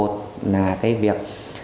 là cái việc